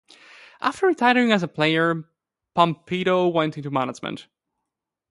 After retiring as a player, Pumpido went into management.